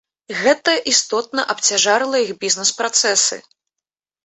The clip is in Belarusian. Гэта істотна абцяжарыла іх бізнэс-працэсы.